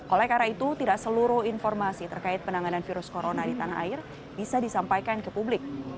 oleh karena itu tidak seluruh informasi terkait penanganan virus corona di tanah air bisa disampaikan ke publik